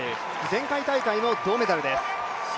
前回大会も銅メダルです。